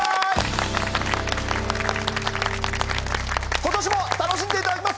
今年も楽しんで頂きます。